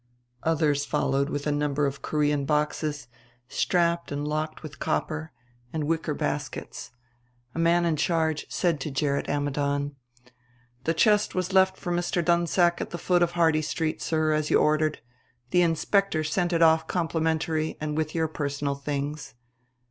Others followed with a number of Korean boxes, strapped and locked with copper, and wicker baskets. A man in charge said to Gerrit Ammidon: "The chest was left for Mr. Dunsack at the foot of Hardy Street, sir, as you ordered. The inspector sent it off complimentary with your personal things."